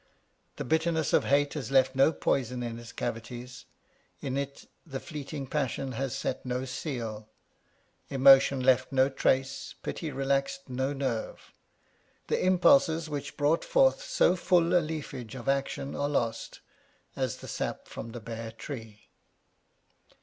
The bitterness of hate has left no poison in its cavities, in it the fleeting passion has set no seal, emotion left no trace, pity relaxed no nerve. The impulses which brought forth so full a leafage of action are lost, as the sap from the bare tree.